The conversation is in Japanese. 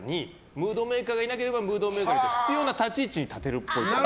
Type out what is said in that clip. ムードメーカーがいなければムードメーカーにって必要な立ち位置に立てるっぽい。